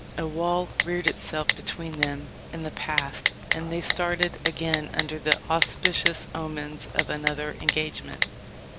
A wall reared itself between them and the past, and they started again under the auspi cious omens of another engagement.